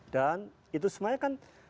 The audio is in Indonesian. dan itu sebenarnya kan